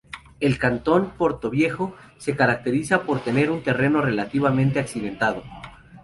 El cantón Portoviejo se caracteriza por tener un terreno relativamente accidentado.